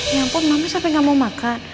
ya ampun mama sampai nggak mau makan